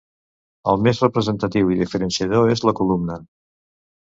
El més representatiu i diferenciador és la columna.